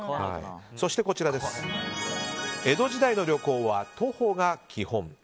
そして、江戸時代の旅行は徒歩が基本。